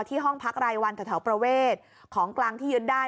ที่ห้องพักรายวันทะเถาประเวศของกลางที่ยืดได้